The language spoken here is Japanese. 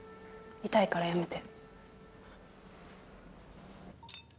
痛いからやめて。